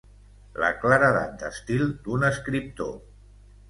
La claredat d'estil d'un escriptor.